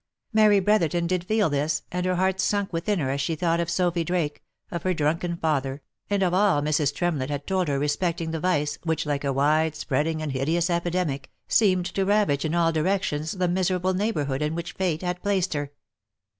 Mary Brotherton did feel this, and her heart sunk within her as she thought of Sophy Drake, of her drunken father, and of all Mrs. Tremlett had told her respecting the vice, which like a wide spreading and hideous epidemic, seemed to ravage in all direc tions the miserable neighbourhood in which fate had placed her.